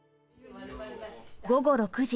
午後６時。